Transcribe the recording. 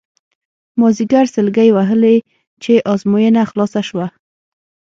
مازیګر سلګۍ وهلې چې ازموینه خلاصه شوه.